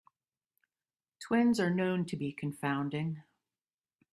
Twins are known to be confounding.